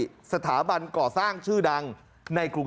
ทีมข่าวไปได้ข้อมูลเชิงลึก